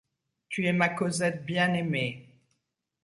Tu es ma Cosette bien-aimée!